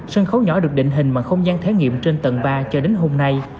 sân khấu nhỏ được định hình bằng không gian thể nghiệm trên tầng ba cho đến hôm nay